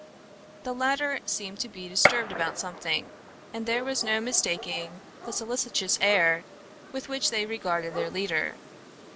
The latter seemed to be disturbed about something, and there was no mistaking the solicitous air with which they regarded their leader.